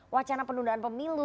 wacana penundaan pemilu